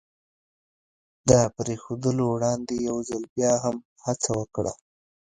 د پرېښودلو وړاندې یو ځل بیا هم هڅه وکړه.